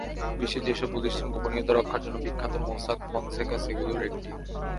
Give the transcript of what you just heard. বিশ্বের যেসব প্রতিষ্ঠান গোপনীয়তা রক্ষার জন্য বিখ্যাত, মোসাক ফনসেকা সেগুলোর একটি।